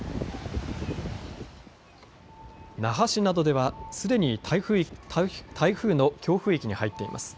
那覇市などではすでに台風の強風域に入っています。